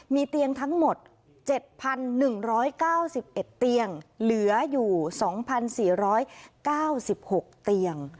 มีเตียงทั้งหมด๗๑๙๑เตียงเหลืออยู่๒๔๙๖เตียง